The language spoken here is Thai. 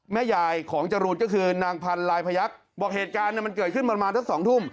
แม่ยายของจรูนก็คือนางพันธลายพยักษ์บอกเหตุการณ์มันเกิดขึ้นประมาณสัก๒ทุ่ม